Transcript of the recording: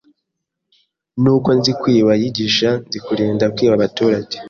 Nuko Nzikwiba yigisha Nzikurinda kwiba abaturage